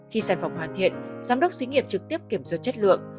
khi sản phẩm hoàn thiện giám đốc dĩ nghiệp trực tiếp kiểm soát chất lượng